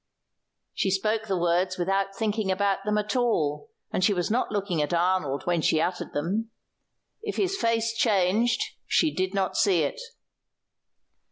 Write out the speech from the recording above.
She spoke the words without thinking about them at all, and she was not looking at Arnold when she uttered them. If his face changed, she did not see it.